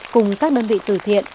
cùng các đơn vị tử thiện